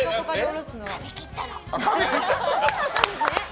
髪切ったの！